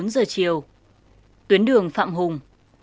một mươi bốn giờ chiều tuyến đường phạm hùng